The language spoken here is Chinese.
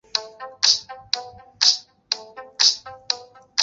曾任职于台北县工务局工程队。